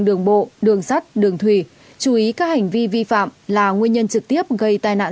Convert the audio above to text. đường bộ đường sắt đường thủy chú ý các hành vi vi phạm là nguyên nhân trực tiếp gây tai nạn